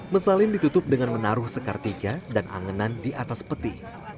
mesalin ditutup dengan menaruh sekar tiga dan anganan di atas peti